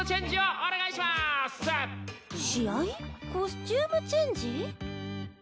コスチュームチェンジ？